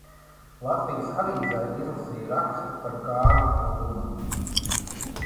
"Latvijas Avīzē" izlasīju rakstu par Kārli Ulmani.